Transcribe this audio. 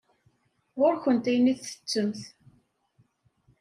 Ɣur-kent ayen i ttettemt.